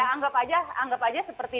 anggap aja seperti